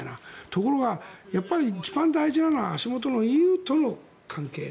ところが、一番大事なのは足元のＥＵとの関係。